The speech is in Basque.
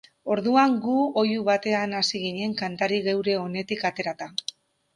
Orduan gu oihu batean hasi ginen kantari geure onetik aterata.